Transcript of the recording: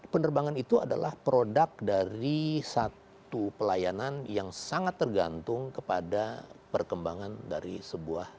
penerbangan itu adalah produk dari satu pelayanan yang sangat tergantung kepada perkembangan dari sebuah